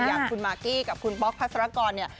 อย่างคุณมากกี้กับคุณป๊อกพัสรกรเนี่ย